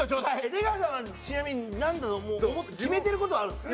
出川さんはちなみになんだと？決めてる事あるんですか？